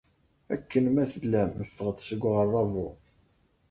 Akken ma tellam, ffɣet seg uɣerrabu!